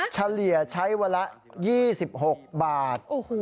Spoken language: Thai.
เฉลี่ยใช้เวลา๒๖บาท